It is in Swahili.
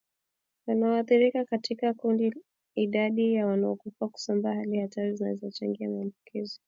wanaoathiriwa katika kundi idadi ya wanaokufa kusambaa hali hatari zinazochangia maambukizi